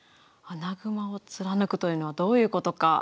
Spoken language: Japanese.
「穴熊を貫く」というのはどういうことか。